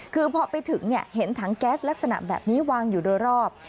คือพอไปถึงเห็นถังแก๊สลักษณะแบบนี้วางอยู่โดยรอบ